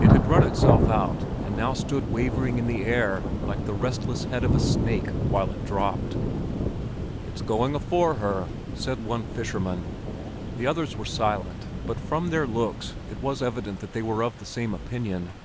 It had run itself out and now stood wavering in the air like the restless head of a snake while it dropped. "It's going afore her," said one fisherman. The others were silent, but from their looks it was evident that they were of the same opinion.